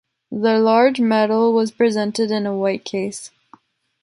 The large medal was presented in a white case.